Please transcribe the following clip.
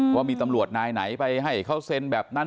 ว่ามีตำรวจนายไหนไปให้เขาเซ็นแบบนั้น